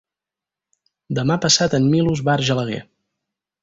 Demà passat en Milos va a Argelaguer.